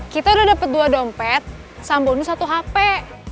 kita udah dapet dua dompet sama bonus satu hape